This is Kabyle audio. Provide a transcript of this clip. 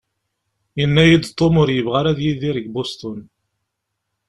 Yenna-iyi-d Tom ur yebɣi ara ad yidir deg Boston.